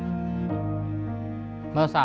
สวัสดีครับน้องเล่จากจังหวัดพิจิตรครับ